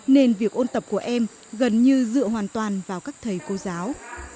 nên việc ôn tập của em gần như dựa hoàn toàn vào các thầy cô giáo